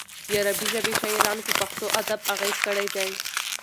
د عربي ژبې شاعرانو په پښتو ادب اغېز کړی دی.